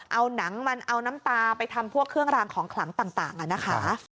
เอาน้ำตาไปทำพวกเครื่องรางของขลังต่างนะคะ